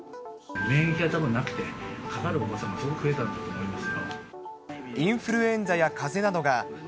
免疫がたぶんなくて、かかるお子さんが増えたんだと思います。